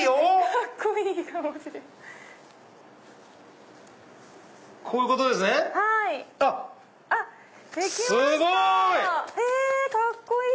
カッコいい！